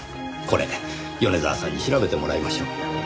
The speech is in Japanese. これ米沢さんに調べてもらいましょう。